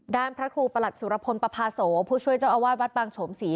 พระครูประหลัดสุรพลประพาโสผู้ช่วยเจ้าอาวาสวัดบางโฉมศรี